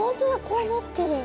こうなってる。